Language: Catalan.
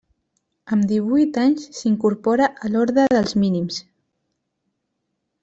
Amb divuit anys s'incorpora a l'Orde dels Mínims.